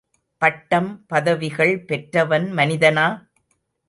பட்டம், பதவிகள் பெற்றவன் மனிதனா?